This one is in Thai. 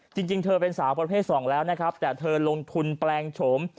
จริงเธอเป็นสาวประเภทสองแล้วนะครับแต่เธอลงทุนแปลงโฉม